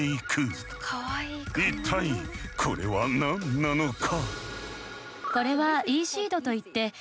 一体これは何なのか？